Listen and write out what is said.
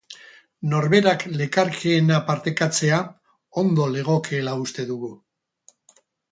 Norberak lekarkeena partekatzea ondo legokeela uste dugu.